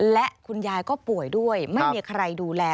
และคุณยายก็ป่วยด้วยไม่มีใครดูแล